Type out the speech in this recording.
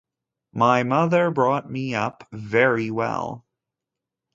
My mother brought me up very well.